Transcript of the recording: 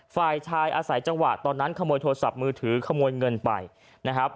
ฝ่ายชายอาศัยจังหวะตอนนั้นขโมยโทรศัพท์มือถือขโมยเงินไปนะครับ